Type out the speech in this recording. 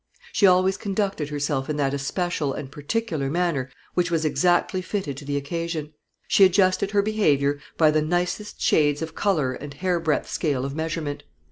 She always conducted herself in that especial and particular manner which was exactly fitted to the occasion. She adjusted her behaviour by the nicest shades of colour and hair breadth scale of measurement.